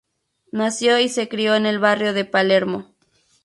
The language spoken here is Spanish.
Nació y se crio en el barrio de Palermo.